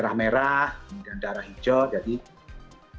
diharapkan masyarakat semakin banyak ya